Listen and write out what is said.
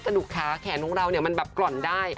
ดุกขาแขนของเราเนี่ยมันแบบกล่อนได้